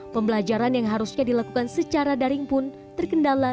pembelajaran yang harusnya dilakukan secara daring pun terkendala